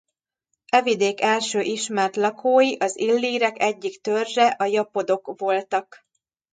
E vidék első ismert lakói az illírek egyik törzse a japodok voltak.